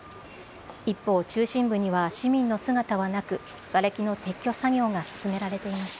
一方、中心部には市民の姿はなくがれきの撤去作業が進められていました。